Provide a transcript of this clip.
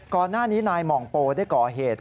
ก่อนหน้านี้นายหม่องโปได้ก่อเหตุ